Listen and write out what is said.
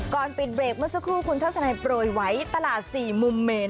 ก่อนปิดเบรกเมื่อสักครู่คุณทัศนัยโปรยไว้ตลาด๔มุมเมน